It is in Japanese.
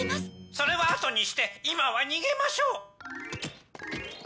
それはあとにして今は逃げましょう！